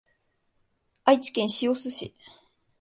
愛知県清須市